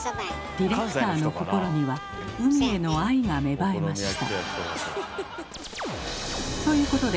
ディレクターの心には海への愛が芽生えました。